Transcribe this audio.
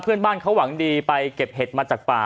เพื่อนบ้านเขาหวังดีไปเก็บเห็ดมาจากป่า